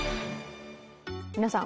皆さん